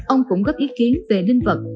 ông cũng gấp ý kiến về linh vật